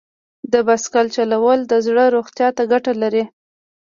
د بایسکل چلول د زړه روغتیا ته ګټه لري.